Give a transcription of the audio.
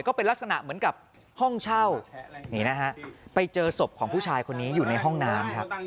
ก็เป็นลักษณะเหมือนกับห้องเช่านี่นะฮะไปเจอศพของผู้ชายคนนี้อยู่ในห้องน้ำครับ